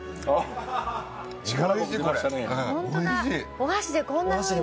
お箸でこんなふうに。